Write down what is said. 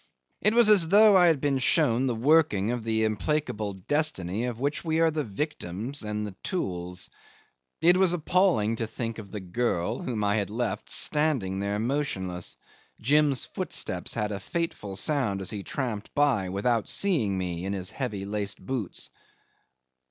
It was as though I had been shown the working of the implacable destiny of which we are the victims and the tools. It was appalling to think of the girl whom I had left standing there motionless; Jim's footsteps had a fateful sound as he tramped by, without seeing me, in his heavy laced boots.